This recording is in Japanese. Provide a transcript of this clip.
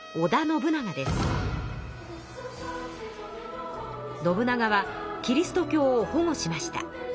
信長はキリスト教を保護しました。